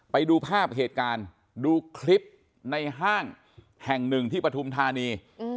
ไปดูภาพเหตุการณ์ดูคลิปในห้างแห่งหนึ่งที่ปฐุมธานี